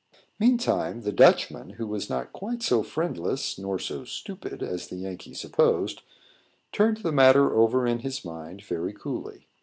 Meantime, the Dutchman, who was not quite so friendless nor so stupid as the Yankee supposed, turned the matter over in his mind very coolly.